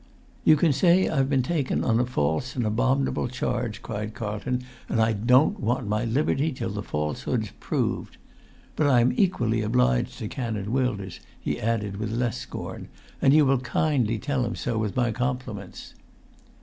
"You can say I've been taken on a false and abominable charge," cried Carlton, "and I don't want my liberty till the falsehood's proved! But I am equally obliged to Canon Wilders," he added with less scorn, "and you will kindly tell him so with my compliments."